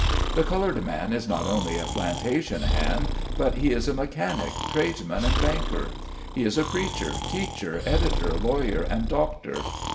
The colored man is not only a plantation hand, but he is a mechanic, tradesman and banker ; he is a preacher, teacher, editor, lawyer and doctor.